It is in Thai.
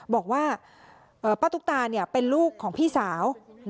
บอกว่าป้าตุ๊กตาเป็นลูกของพี่สาว